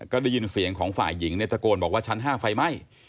ก็ได้ยินเสียงของฝ่ายหญิงตะโกนบอกว่าชั้น๕ไฟไหม้